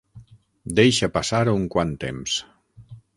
Deixa passar un quant temps.